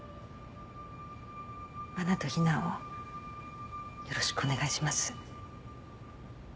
真菜と陽菜をよろしくお願いします。